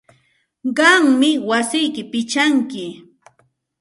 Qammi wasiyki pichanki.